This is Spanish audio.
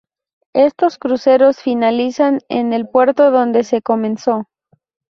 Estos cruceros finalizan en el puerto donde se comenzó.